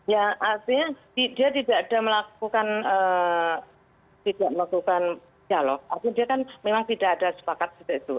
ya artinya dia tidak ada melakukan tidak melakukan dialog artinya dia kan memang tidak ada sepakat seperti itu